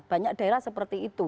banyak daerah seperti itu